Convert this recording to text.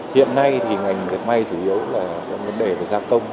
hiện nay thì ngành dệt may chủ yếu là vấn đề về gia công